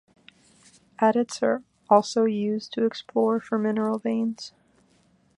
Adits are also used to explore for mineral veins.